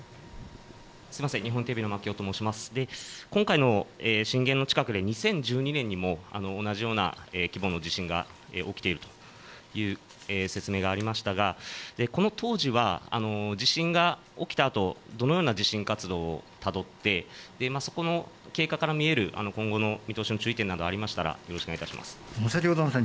今回の震源の近くで２０１２年にも同じような規模の地震が起きているという説明がありましたがこの当時は地震が起きたあとどのような地震活動をたどってそこの経過から見える今後の見通しの注意点などありましたら教えてください。